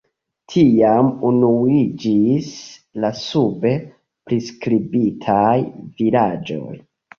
Tiam unuiĝis la sube priskribitaj vilaĝoj.